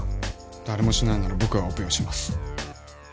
誰もしないなら僕がオペをします